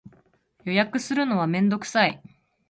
予約するのはめんどくさい